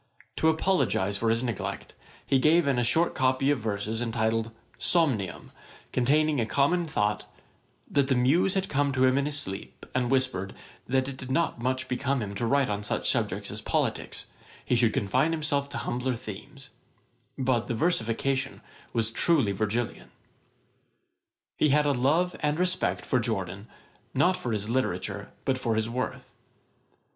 To apologise for his neglect, he gave in a short copy of verses, entitled Somnium, containing a common thought; 'that the Muse had come to him in his sleep, and whispered, that it did not become him to write on such subjects as politicks; he should confine himself to humbler themes:' but the versification was truly Virgilian. [Page 61: Johnson's version of Pope's Messiah. ÆTAT. 19.] He had a love and respect for Jorden, not for his literature, but for his worth.